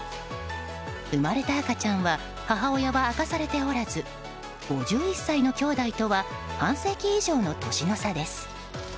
生まれた赤ちゃんは母親は明かされておらず５１歳のきょうだいとは半世紀以上の歳の差です。